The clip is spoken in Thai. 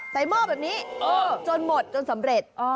หม้อแบบนี้จนหมดจนสำเร็จ